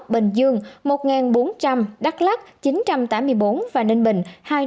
bình dương một bốn trăm linh đắk lắc chín trăm tám mươi bốn ninh bình hai trăm sáu mươi bốn